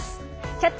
「キャッチ！